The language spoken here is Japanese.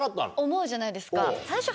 思うじゃないですか。